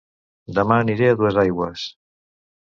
Dema aniré a Duesaigües